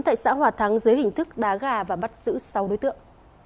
tại xã hòa thắng dưới hình thức đá gà và bắt giữ sáu đối tượng